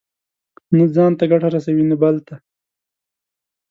نه ځان ته ګټه رسوي، نه بل ته.